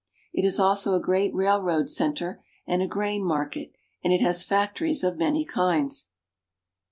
It is also a great railroad center, and a grain market, and it has factories of many kinds.